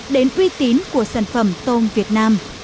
đến tuy tín của sản phẩm tôm việt nam